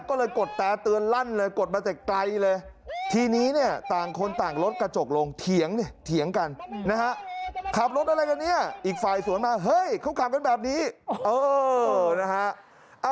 ก็เลยกดแต่เตือนลั่นเลยกดมาแต่ไกลเลยทีนี้เนี่ยต่างคนต่างรถกระจกลงเถียงเนี่ยเถียงกันนะฮะขับรถอะไรกันเนี่ยอีกฝ่ายสวนมาเฮ้ยเขาขับกันแบบนี้เออนะฮะ